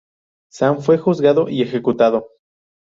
San fue juzgado y ejecutado.